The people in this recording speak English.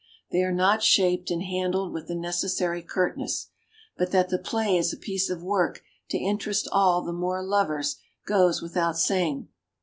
They are not shaped and handled with the necessary curtness. But that the play is a piece of work to interest all the Moore lovers goes without saying.